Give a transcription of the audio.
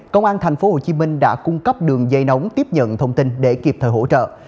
công an tp hcm đã cung cấp đường dây nóng tiếp nhận thông tin để kịp thời hỗ trợ